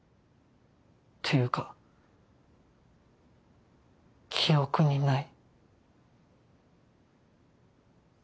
っていうか記憶にない。